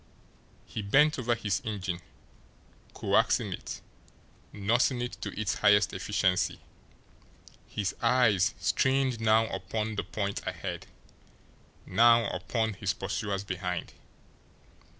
He bent over his engine, coaxing it, nursing it to its highest efficiency; his eyes strained now upon the point ahead, now upon his pursuers behind.